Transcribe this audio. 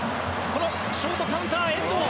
このショートカウンター、遠藤。